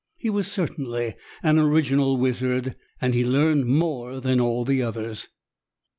He was certainly an original wizard, and he learned more than all the others.